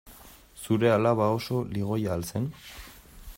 Zure alaba oso ligoia al zen?